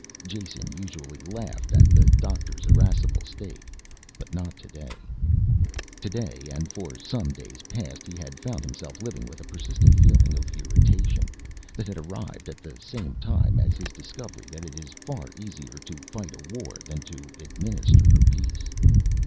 Jason usually laughed at the doctor's irascible state, but not today. Today, and for some days past, he had found himself living with a persistent feeling of irritation, that had arrived at the same time as his discovery that it is far easier to fight a war than to administer a peace.